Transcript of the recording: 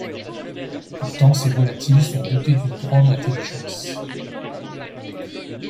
Pourtant, ces volatiles sont dotés d’une grande intelligence.